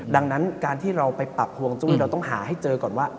ดังนั้นการที่เราไปปรับฮวงจุ้ยเราต้องหาให้เจอก่อนว่า